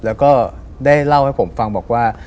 แล้วก็ได้เล่าให้ผมฟังบอกว่า